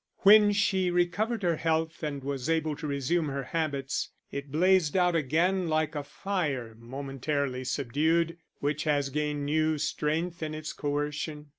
When she recovered her health and was able to resume her habits, it blazed out again like a fire, momentarily subdued, which has gained new strength in its coercion.